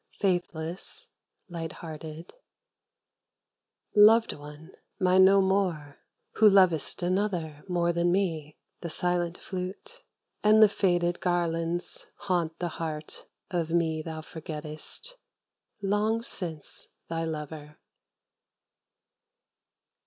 Faithless, light hearted Loved one, mine no more, who lovest another More than me; the silent flute and the faded Garlands haunt the heart of me thou forgettest, Long since thy lover.